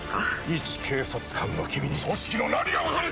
いち警察官の君に組織の何がわかる！？